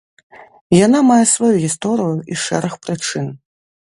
Яна мае сваю гісторыю і шэраг прычын.